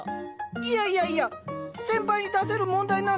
いやいやいや先輩に出せる問題なんてありませんよ。